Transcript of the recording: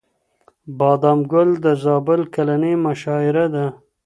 بادام ګل د زابل کلنۍ مشاعره ده.